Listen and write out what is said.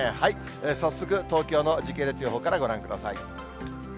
早速東京の時系列予報からご覧ください。